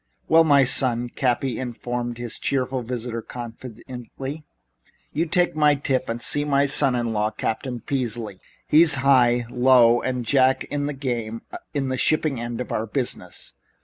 "Well, now, son," Cappy informed his cheerful visitor confidentially, "you take my tip and see my son in law, Captain Peasley. He's high, low and jack in the game in the shipping end of our business."